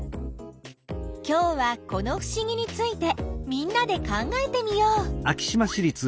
きょうはこのふしぎについてみんなで考えてみよう。